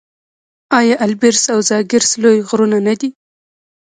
آیا البرز او زاگرس لوی غرونه نه دي؟